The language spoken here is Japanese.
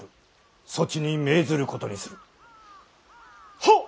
はっ！